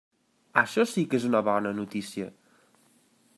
Això sí que és una bona notícia.